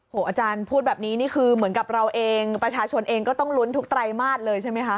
อาจารย์พูดแบบนี้นี่คือเหมือนกับเราเองประชาชนเองก็ต้องลุ้นทุกไตรมาสเลยใช่ไหมคะ